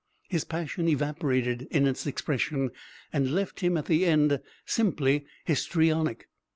His passion evaporated in its expression, and left him at the end simply histrionic.